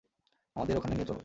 আমাদের ওখানে নিয়ে চলো।